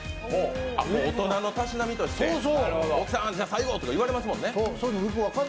大人のたしなみとして、「大木さん、最後」とか言われますもんね。